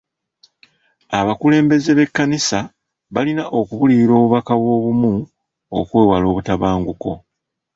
Abakulembeze b'ekkanisa balina okubuulirira obubaka bw'obumu okwewala obutabanguko.